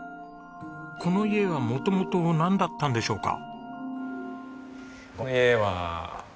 この家は元々なんだったんでしょうか？